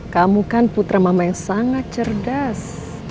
kamu kan putra mama yang sangat cerdas